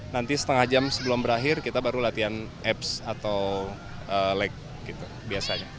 nanti setengah jam sebelum berakhir kita baru latihan apps atau lag gitu biasanya